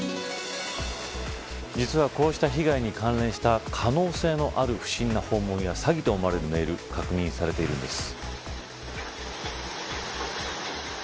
実は、こうした被害に関連した可能性のある不審な訪問や詐欺と思われるメール確認されているんです。